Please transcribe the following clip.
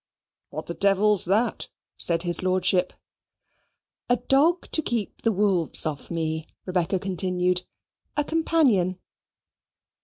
"What the devil's that?" said his Lordship. "A dog to keep the wolves off me," Rebecca continued. "A companion."